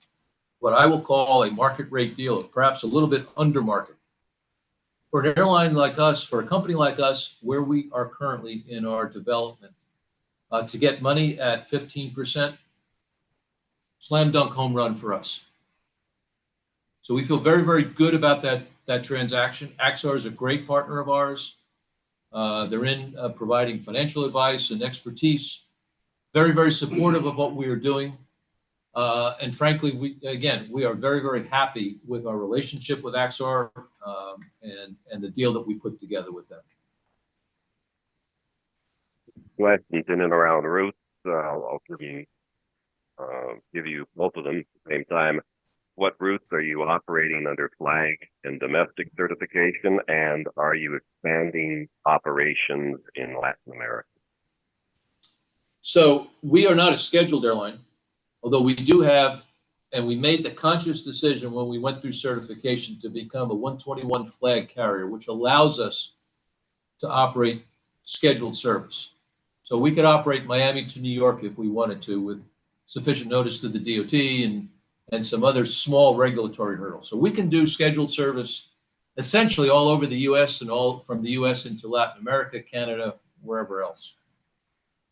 what I will call a market rate deal, perhaps a little bit under market. For an airline like us, for a company like us, where we are currently in our development, to get money at 15%, slam dunk home run for us. So we feel very, very good about that, that transaction. Axar is a great partner of ours. They're in providing financial advice and expertise. Very, very supportive of what we are doing. And frankly, we-- again, we are very, very happy with our relationship with Axar, and the deal that we put together with them. Questions in and around routes. I'll also be, give you both of them at the same time. What routes are you operating under flag and domestic certification, and are you expanding operations in Latin America? So we are not a scheduled airline, although we do have, and we made the conscious decision when we went through certification to become a 121 flag carrier, which allows us to operate scheduled service. So we could operate Miami to New York if we wanted to, with sufficient notice to the DOT and some other small regulatory hurdles. So we can do scheduled service essentially all over the U.S. and all from the U.S. into Latin America, Canada, wherever else.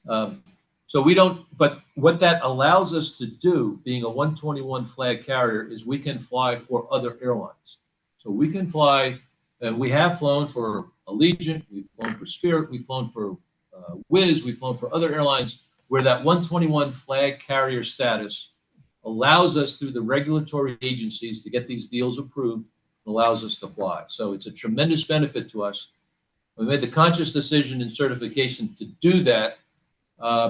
But what that allows us to do, being a 121 flag carrier, is we can fly for other airlines. So we can fly, and we have flown for Allegiant, we've flown for Spirit, we've flown for Wizz, we've flown for other airlines, where that 121 flag carrier status allows us, through the regulatory agencies, to get these deals approved and allows us to fly. So it's a tremendous benefit to us. We made the conscious decision and certification to do that,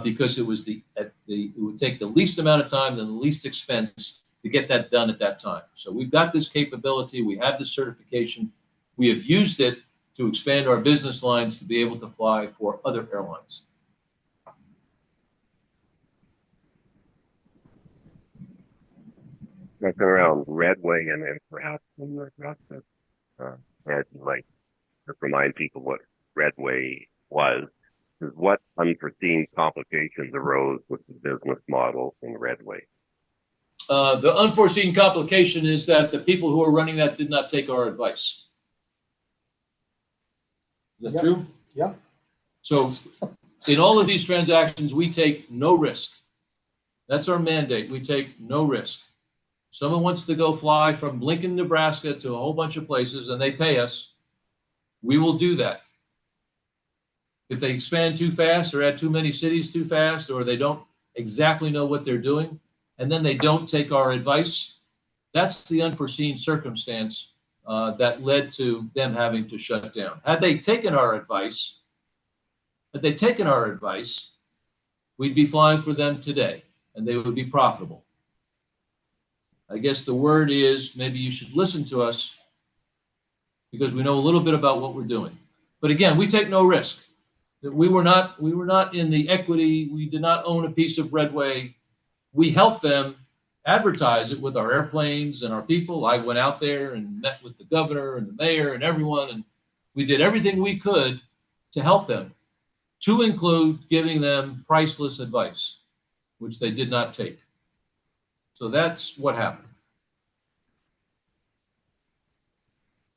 because it was the, it would take the least amount of time and the least expense to get that done at that time. So we've got this capability. We have the certification. We have used it to expand our business lines to be able to fly for other airlines. Like around Red Way and then perhaps in Nebraska, as you like, to remind people what Red Way was, is what unforeseen complications arose with the business model in Red Way? The unforeseen complication is that the people who were running that did not take our advice. Is that true? Yeah. In all of these transactions, we take no risk. That's our mandate. We take no risk. Someone wants to go fly from Lincoln, Nebraska, to a whole bunch of places, and they pay us, we will do that. If they expand too fast or add too many cities too fast, or they don't exactly know what they're doing, and then they don't take our advice, that's the unforeseen circumstance that led to them having to shut down. Had they taken our advice, had they taken our advice, we'd be flying for them today, and they would be profitable. I guess the word is, maybe you should listen to us, because we know a little bit about what we're doing. But again, we take no risk. We were not, we were not in the equity... We did not own a piece of Red Way. We helped them advertise it with our airplanes and our people. I went out there and met with the governor and the mayor and everyone, and we did everything we could to help them, to include giving them priceless advice, which they did not take. So that's what happened.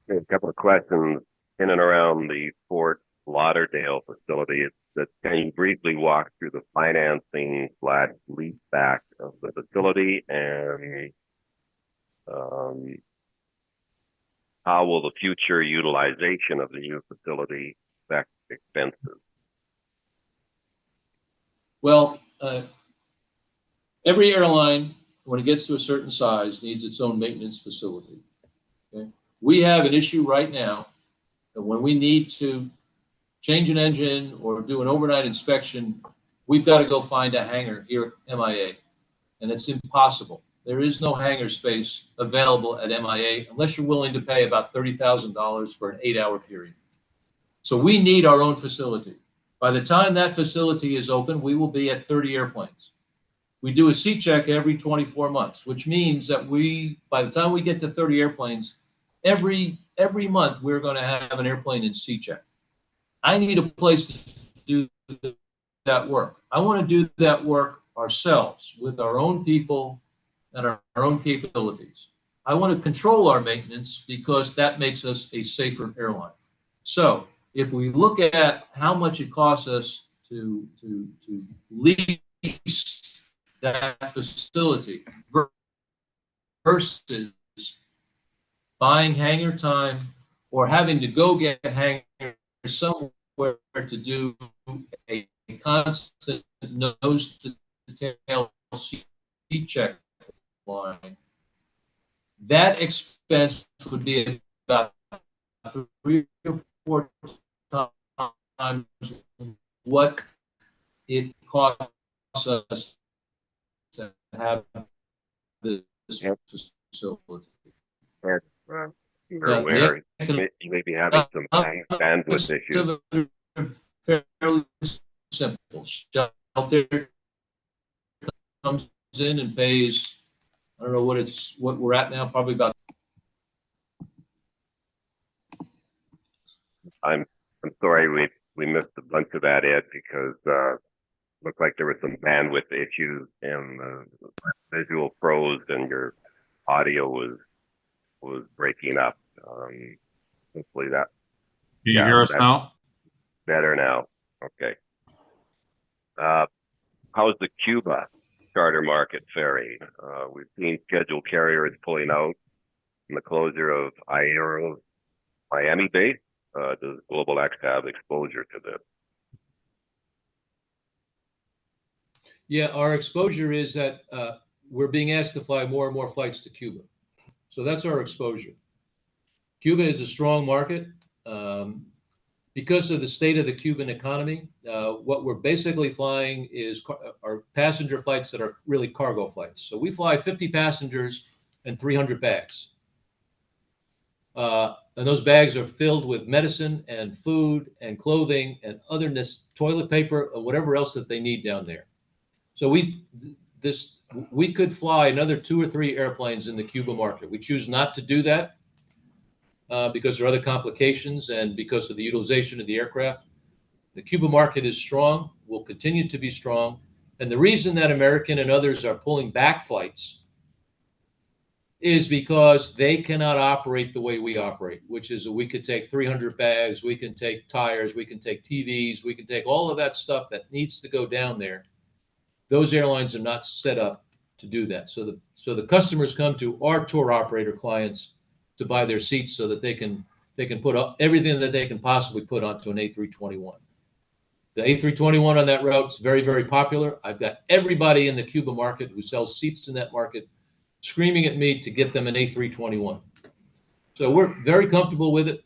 We have a couple of questions in and around the Fort Lauderdale facility. It's can you briefly walk through the financing, sale-leaseback of the facility, and how will the future utilization of the new facility affect expenses? Well, every airline, when it gets to a certain size, needs its own maintenance facility. Okay? We have an issue right now, that when we need to change an engine or do an overnight inspection, we've got to go find a hangar here at MIA, and it's impossible. There is no hangar space available at MIA, unless you're willing to pay about $30,000 for an 8-hour period. So we need our own facility. By the time that facility is open, we will be at 30 airplanes. We do a C Check every 24 months, which means that by the time we get to 30 airplanes, every month we're gonna have an airplane in C Check. I need a place to do that work. I wanna do that work ourselves, with our own people and our own capabilities. I want to control our maintenance because that makes us a safer airline. So if we look at how much it costs us to lease that facility versus buying hangar time or having to go get a hangar somewhere to do a constant nose to tail C check on, that expense would be about 3 to 4 times what it costs us to have the facility. Right. Right. You may be having some bandwidth issues. Fairly simple. John out there comes in and pays, I don't know what it's—what we're at now, probably about- I'm sorry we missed a bunch of that, Ed, because looked like there were some bandwidth issues, and my visual froze, and your audio was breaking up. Hopefully that- Can you hear us now? Better now. Okay. How is the Cuba charter market faring? We've seen scheduled carriers pulling out from the closure of FEAM Aero at Miami base. Does GlobalX have exposure to that? Yeah, our exposure is that, we're being asked to fly more and more flights to Cuba, so that's our exposure. Cuba is a strong market. Because of the state of the Cuban economy, what we're basically flying are passenger flights that are really cargo flights. So we fly 50 passengers and 300 bags. And those bags are filled with medicine and food and clothing and other toilet paper or whatever else that they need down there. So we could fly another 2 or 3 airplanes in the Cuba market. We choose not to do that because there are other complications and because of the utilization of the aircraft. The Cuba market is strong, will continue to be strong, and the reason that American and others are pulling back flights is because they cannot operate the way we operate, which is we could take 300 bags, we can take tires, we can take TVs, we can take all of that stuff that needs to go down there. Those airlines are not set up to do that. So the customers come to our tour operator clients to buy their seats so that they can, they can put on everything that they can possibly put onto an A321. The A321 on that route is very, very popular. I've got everybody in the Cuba market who sells seats in that market screaming at me to get them an A321. So we're very comfortable with it.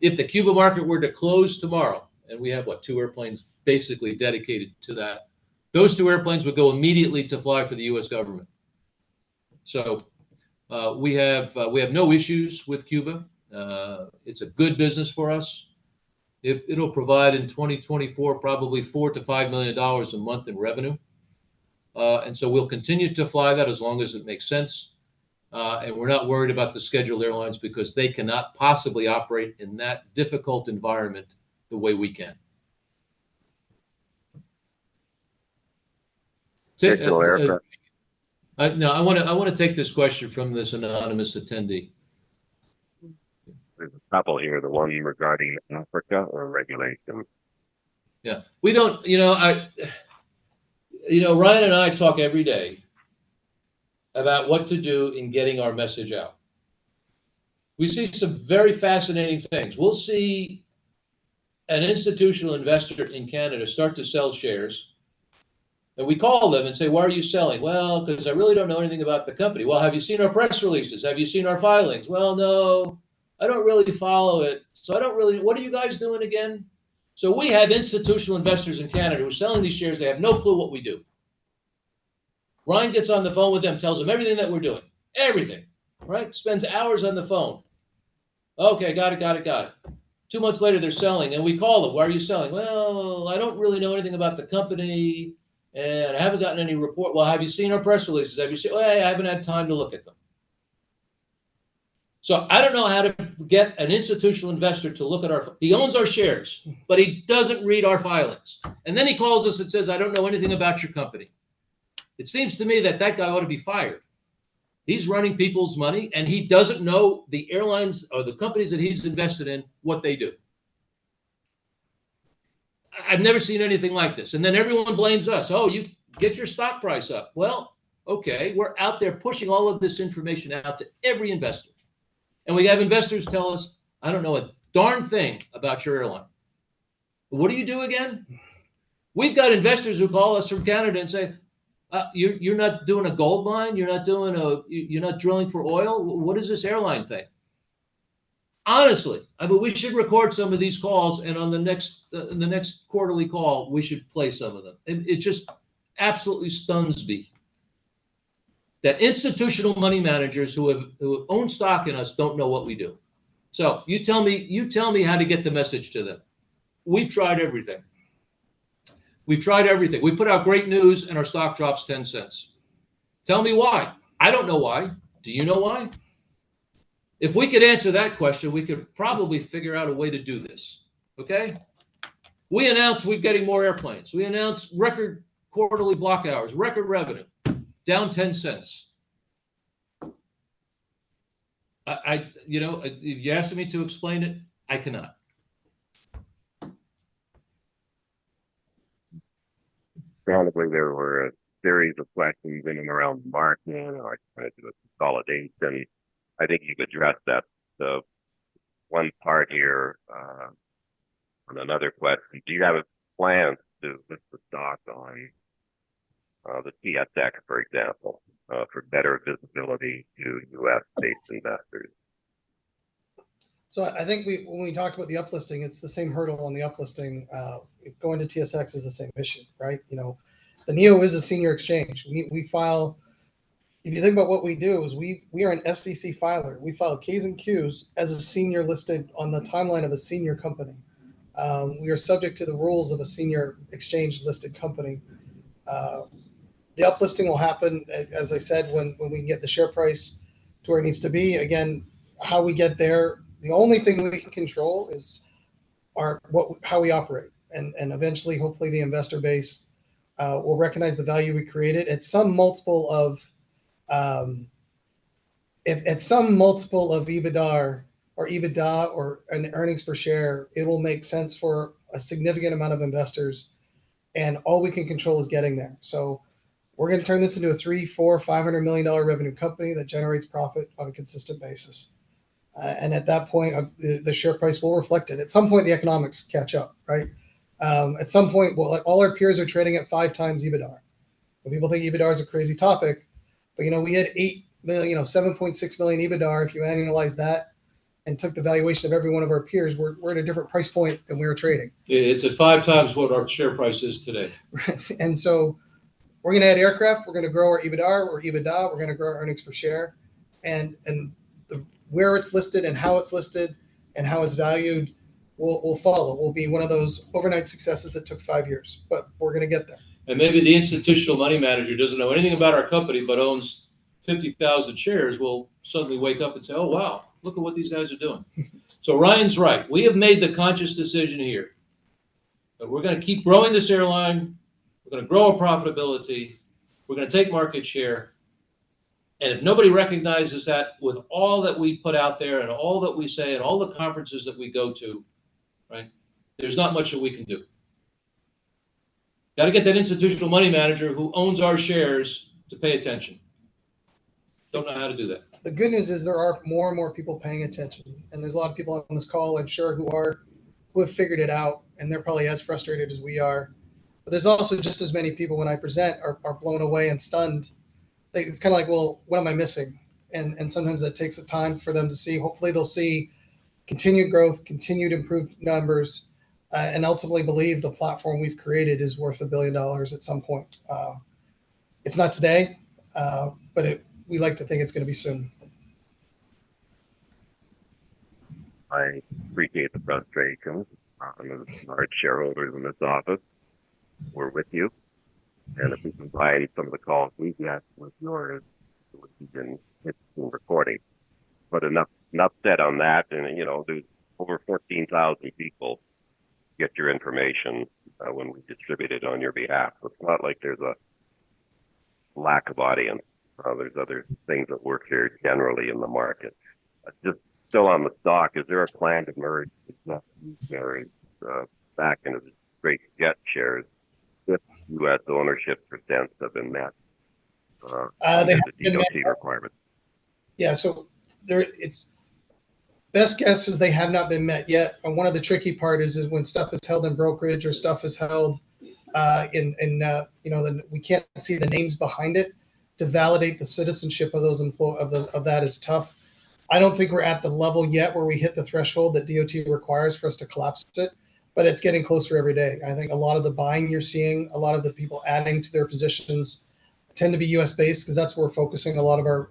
If the Cuba market were to close tomorrow, and we have, what, 2 airplanes basically dedicated to that, those two airplanes would go immediately to fly for the U.S. government. So, we have, we have no issues with Cuba. It's a good business for us. It, it'll provide in 2024, probably $4 million to $5 million a month in revenue. And so we'll continue to fly that as long as it makes sense. And we're not worried about the scheduled airlines because they cannot possibly operate in that difficult environment the way we can. ... No, I wanna take this question from this anonymous attendee. There's a couple here, the one regarding Africa or regulation? Yeah. We don't, you know, Ryan and I talk every day about what to do in getting our message out. We see some very fascinating things. We'll see an institutional investor in Canada start to sell shares, and we call them and say, "Why are you selling?" "Well, because I really don't know anything about the company." "Well, have you seen our press releases? Have you seen our filings?" "Well, no, I don't really follow it, so I don't really. What are you guys doing again?" So we have institutional investors in Canada who are selling these shares, they have no clue what we do. Ryan gets on the phone with them, tells them everything that we're doing. Everything, right? Spends hours on the phone. Okay, got it, got it, got it." Two months later, they're selling, and we call them: "Why are you selling?" "Well, I don't really know anything about the company, and I haven't gotten any report." "Well, have you seen our press releases? Have you seen-" "Well, I haven't had time to look at them." So I don't know how to get an institutional investor to look at our... He owns our shares, but he doesn't read our filings. And then he calls us and says, "I don't know anything about your company." It seems to me that that guy ought to be fired. He's running people's money, and he doesn't know the airlines or the companies that he's invested in, what they do. I've never seen anything like this, and then everyone blames us. Oh, you get your stock price up." Well, okay, we're out there pushing all of this information out to every investor, and we have investors tell us, "I don't know a darn thing about your airline. What do you do again?" We've got investors who call us from Canada and say, "you're not doing a gold mine? You're not drilling for oil? What is this airline thing?"... Honestly, I believe we should record some of these calls, and in the next quarterly call, we should play some of them. It just absolutely stuns me that institutional money managers who own stock in us don't know what we do. So you tell me, you tell me how to get the message to them. We've tried everything. We've tried everything. We put out great news, and our stock drops $0.10. Tell me why. I don't know why. Do you know why? If we could answer that question, we could probably figure out a way to do this, okay? We announce we're getting more airplanes. We announce record quarterly block hours, record revenue, down $0.10. I, I-- You know, if you're asking me to explain it, I cannot. Apparently, there were a series of questions in and around the market or trying to do a consolidation. I think you've addressed that. So one part here, on another question, do you have a plan to list the stock on, the TSX, for example, for better visibility to U.S. based investors? So I think we—when we talked about the uplisting, it's the same hurdle on the uplisting. Going to TSX is the same issue, right? You know, the NEO is a senior exchange. We file... If you think about what we do, we are an SEC filer. We file K's and Q's as a senior listing on the timeline of a senior company. We are subject to the rules of a senior exchange-listed company. The uplisting will happen, as I said, when we can get the share price to where it needs to be. Again, how we get there, the only thing we can control is how we operate, and eventually, hopefully, the investor base will recognize the value we created. At some multiple of... At some multiple of EBITDA or an earnings per share, it will make sense for a significant amount of investors, and all we can control is getting there. So we're going to turn this into a $300 to $500 million revenue company that generates profit on a consistent basis. And at that point, the share price will reflect it. At some point, the economics catch up, right? At some point, all our peers are trading at 5x EBITDA. When people think EBITDA is a crazy topic, but, you know, we had $8 million, you know, $7.6 million EBITDA. If you annualize that and took the valuation of every one of our peers, we're, we're at a different price point than we were trading. It's at 5x what our share price is today. And so we're going to add aircraft, we're going to grow our EBITDA or EBITDA, we're going to grow our earnings per share, and, and the- where it's listed and how it's listed and how it's valued will, will follow, will be one of those overnight successes that took five years, but we're going to get there. Maybe the institutional money manager doesn't know anything about our company but owns 50,000 shares, will suddenly wake up and say, "Oh, wow! Look at what these guys are doing." So Ryan's right. We have made the conscious decision here that we're going to keep growing this airline, we're going to grow our profitability, we're going to take market share, and if nobody recognizes that with all that we put out there and all that we say and all the conferences that we go to, right, there's not much that we can do. Got to get that institutional money manager who owns our shares to pay attention. Don't know how to do that. The good news is there are more and more people paying attention, and there's a lot of people on this call, I'm sure, who have figured it out, and they're probably as frustrated as we are. But there's also just as many people, when I present, are blown away and stunned. They... It's kind of like, "Well, what am I missing?" And sometimes that takes the time for them to see. Hopefully, they'll see continued growth, continued improved numbers, and ultimately believe the platform we've created is worth $1 billion at some point. It's not today, but we like to think it's going to be soon. I appreciate the frustration. Large shareholders in this office, we're with you, and if we can provide some of the calls we've got with yours, which has been recording. But enough, enough said on that, and, you know, there's over 14,000 people get your information, when we distribute it on your behalf. It's not like there's a lack of audience. There's other things that work here generally in the market. Just still on the stock, is there a plan to merge the stock back into the JET shares with U.S. ownership percents have been met, DOT requirements? Yeah. So it's best guess is they have not been met yet, and one of the tricky part is when stuff is held in brokerage or stuff is held in, you know, then we can't see the names behind it. To validate the citizenship of those owners of those is tough. I don't think we're at the level yet where we hit the threshold that DOT requires for us to collapse it, but it's getting closer every day. I think a lot of the buying you're seeing, a lot of the people adding to their positions tend to be U.S.-based, because that's where we're focusing a lot of our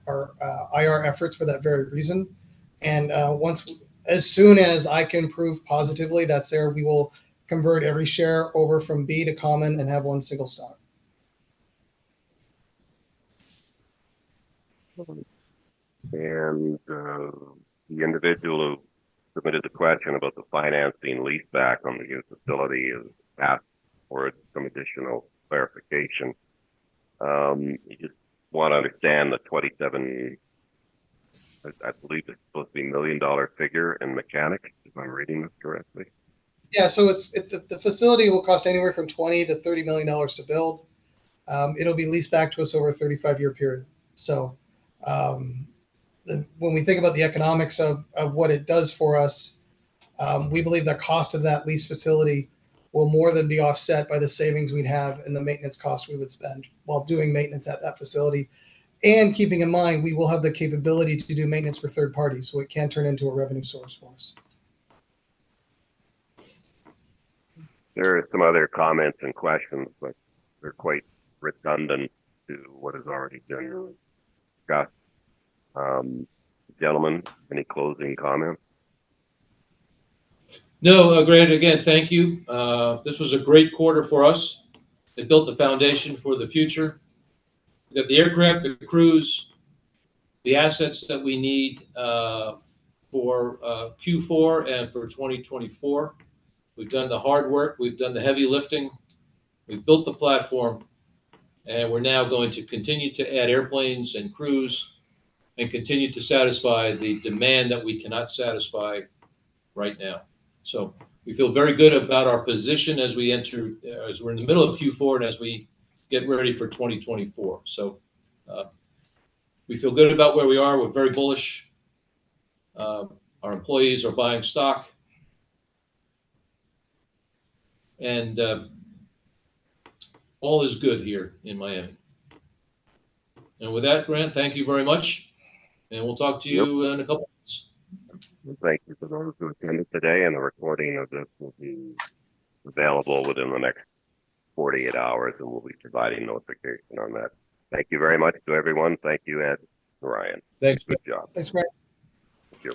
IR efforts for that very reason. As soon as I can prove positively that's there, we will convert every share over from B to common and have one single stock. The individual who submitted the question about the financing leaseback on the new facility has asked for some additional clarification. He just want to understand the $27, I, I believe it's supposed to be million-dollar figure in mechanics, if I'm reading this correctly. Yeah. So it's the facility will cost anywhere from $20 to $30 million to build. It'll be leased back to us over a 35-year period. So when we think about the economics of what it does for us, we believe the cost of that lease facility will more than be offset by the savings we'd have and the maintenance costs we would spend while doing maintenance at that facility. And keeping in mind, we will have the capability to do maintenance for third parties, so it can turn into a revenue source for us. There are some other comments and questions, but they're quite redundant to what is already done. So, gentlemen, any closing comments? No, Grant, again, thank you. This was a great quarter for us. It built the foundation for the future. We got the aircraft, the crews, the assets that we need for Q4 and for 2024. We've done the hard work, we've done the heavy lifting, we've built the platform, and we're now going to continue to add airplanes and crews and continue to satisfy the demand that we cannot satisfy right now. So we feel very good about our position as we enter, as we're in the middle of Q4 and as we get ready for 2024. So, we feel good about where we are. We're very bullish. Our employees are buying stock. And, all is good here in Miami. And with that, Grant, thank you very much, and we'll talk to you- Yep... in a couple of weeks. Thank you to those who attended today, and a recording of this will be available within the next 48 hours, and we'll be providing notification on that. Thank you very much to everyone. Thank you, Ed and Ryan. Thanks. Good job. Thanks, Grant. Thank you.